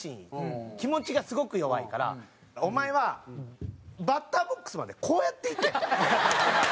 気持ちがすごく弱いから「お前はバッターボックスまでこうやって行け」。